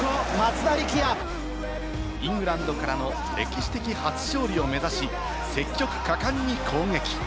イングランドからの歴史的初勝利を目指し、積極果敢に攻撃。